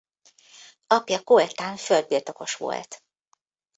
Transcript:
Apja Koltán földbirtokos volt.